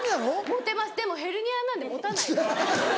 持てますでもヘルニアなんで持たないです。